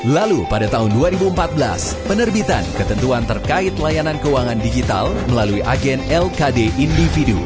lalu pada tahun dua ribu empat belas penerbitan ketentuan terkait layanan keuangan digital melalui agen lkd individu